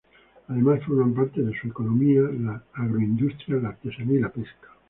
Además forman parte de su economía las agroindustrias, la artesanía y la pesca.